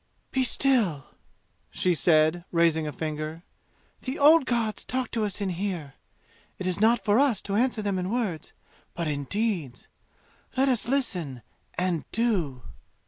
"Be still," she said, raising a finger. "The old gods talk to us in here. It is not for us to answer them in words, but in deeds. Let us listen and do!"